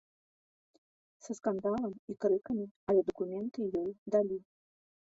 Са скандалам і крыкамі, але дакументы ёй далі.